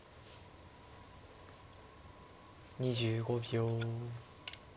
２５秒。